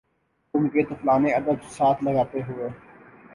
تُم کہ طفلانِ ادب ساتھ لگائے ہُوئے ہو